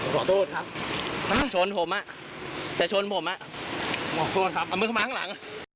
ขอโทษครับเอามือเข้ามาข้างหลัง